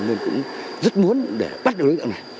nên cũng rất muốn để bắt được đối tượng này